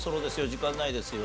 時間ないですよ。